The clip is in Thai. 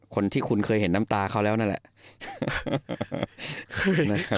คนที่คุณเคยเห็นน้ำตาเขาแล้วนั่นแหละ